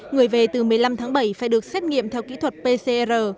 người về từ một mươi năm tháng bảy phải được xét nghiệm theo kỹ thuật pcr